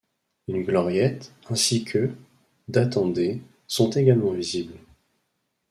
Une gloriette ainsi que datant des sont également visibles.